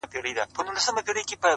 ملاکه چي په زړه کي په وا وا ده!!